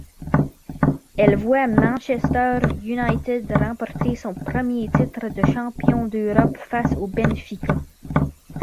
Elle voit Manchester United remporter son premier titre de champion d'Europe face au Benfica.